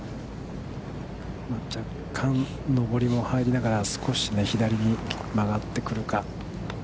若干、上りも入りながら少し左に曲がってくるか。